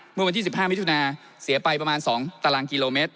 เมื่อวันที่๑๕มิถุนาเสียไปประมาณ๒ตารางกิโลเมตร